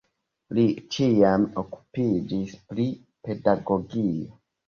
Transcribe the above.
Li ĉiam okupiĝis pri pedagogio.